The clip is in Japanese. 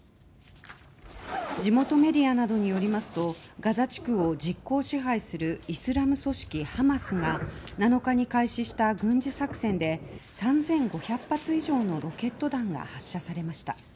地元メディアなどによりますとガザ地区を実効支配するイスラム組織ハマスが７日に開始した軍事作戦で３５００発以上のロケット弾が発射されました。